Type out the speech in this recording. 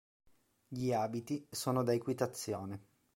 Gli abiti sono da equitazione.